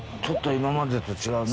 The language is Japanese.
今までと違うね。